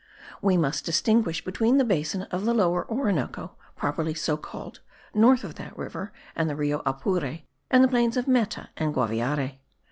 We must distinguish between the basin of the Lower Orinoco, properly so called (north of that river and the Rio Apure), and the plains of Meta and Guaviare.